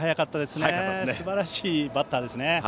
すばらしいバッターですね。